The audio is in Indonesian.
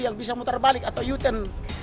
yang bisa muter balik atau u turn